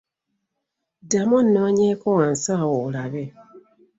Ddamu onoonyeeko wansi awo olabe.